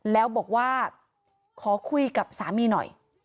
แล้วบอกว่าขอคุยกับสามีหน่อย